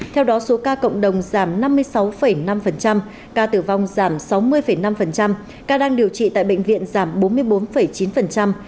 theo đó số ca cộng đồng giảm năm mươi sáu năm ca tử vong giảm sáu mươi năm ca đang điều trị tại bệnh viện giảm bốn mươi bốn chín